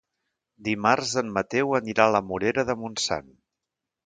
Dimarts en Mateu anirà a la Morera de Montsant.